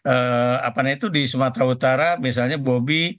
apa namanya itu di sumatera utara misalnya bobi